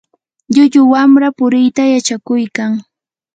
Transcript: llullu wamra puriita yachakuykan.